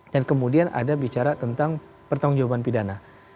dan kemudian ada bicara tentang pertanggung jawaban pidana